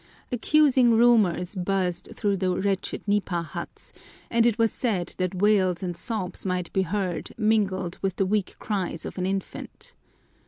Accusing rumors buzzed through the wretched nipa huts, and it was said that wails and sobs might be heard mingled with the weak cries of an infant.